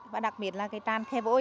và đặc biệt là cái trang